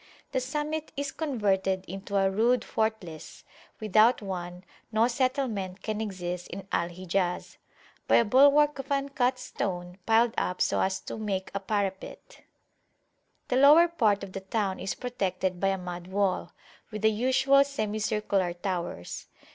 The summit is converted into a rude fortalicewithout one, no settlement can exist in Al Hijazby a bulwark of uncut stone, piled up so as to make a parapet. The lower part of the town is protected by a mud wall, with the usual semicircular towers.